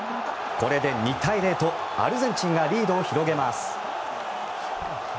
これで２対０とアルゼンチンがリードを広げます。